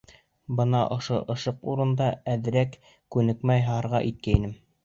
Бына ошо ышыҡ урында әҙерәк күнекмә яһарға иткәйнем.